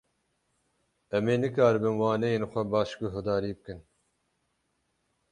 Em ê nikaribin waneyên xwe baş guhdarî bikin.